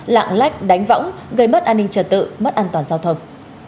lạng lách đánh võng gây mất an ninh trật tự mất an toàn giao thông